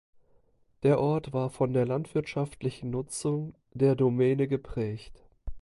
Der Ort war von der landwirtschaftlichen Nutzung der Domäne geprägt.